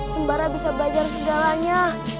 sembara bisa belajar segalanya